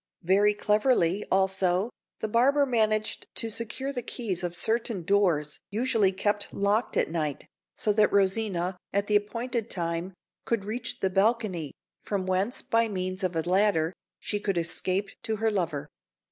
Very cleverly, also, the barber managed to secure the keys of certain doors usually kept locked at night, so that Rosina, at the appointed time, could reach the balcony, from whence, by means of a ladder, she could escape to her lover.